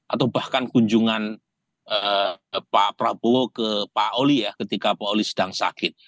atau bahkan kunjungan pak prabowo ke pak oli ya ketika pak oli sedang sakit